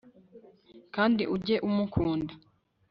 kandi ujye umukunda